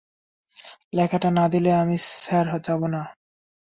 লেখাটা না দিলে আমি স্যার যাব না।